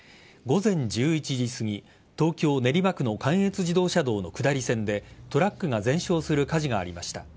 午前１１時すぎ、東京・練馬区の関越自動車道の下り線でトラックが全焼する火事がありました。